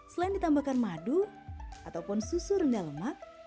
selain ditambahkan madu ataupun susu rendah lemak